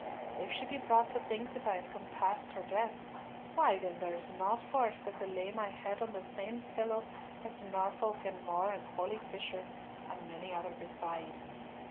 If she be brought to think that I have compassed her death, why then there is naught for it but to lay my head on the same pillow as Norfolk and More and holy Fisher, and many another beside.